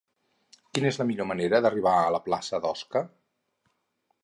Quina és la millor manera d'arribar a la plaça d'Osca?